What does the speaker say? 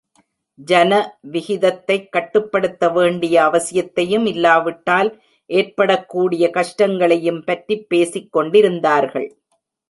ஜன விகிதத்தைக் கட்டுப்படுத்த வேண்டிய அவசியத்தையும், இல்லாவிட்டால் ஏற்படக்கூடிய கஷ்டங்களையும் பற்றிப் பேசிக் கொண்டிருந்தார்கள்.